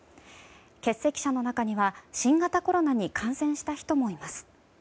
欠席者の中には新型コロナに感染した人もいます。